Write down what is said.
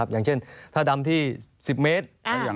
อย่างเช่นถ้าดำที่๑๐เมตร